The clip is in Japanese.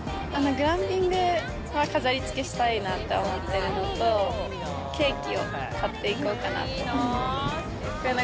グランピングは飾りつけしたいなと思ってるのと、ケーキを買っていこうかなって。